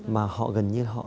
mà họ gần như họ